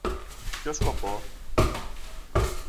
Ποιο σκοπό;